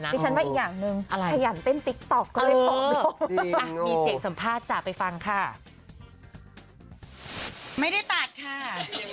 นี่แนะนำที่พลอยนั่นน่ะครับอะไร